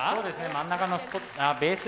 真ん中のべース